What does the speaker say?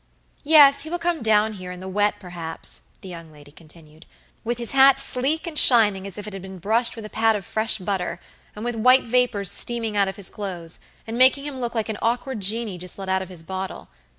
"Yes, he will come down here in the wet, perhaps," the young lady continued, "with his hat sleek and shining as if it had been brushed with a pat of fresh butter, and with white vapors steaming out of his clothes, and making him look like an awkward genie just let out of his bottle.